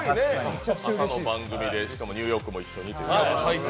朝の番組でしかもニューヨークも一緒にというね。